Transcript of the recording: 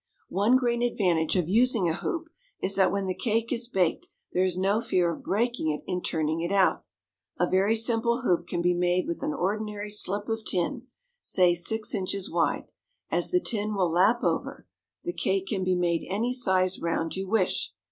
One great advantage of using a hoop is that when the cake is baked there is no fear of breaking it in turning it out. A very simple hoop can be made with an ordinary slip of tin, say six inches wide; as the tin will lap over, the cake can be made any size round you wish.